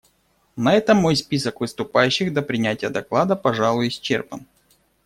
На этом мой список выступающих до принятия доклада, пожалуй, исчерпан.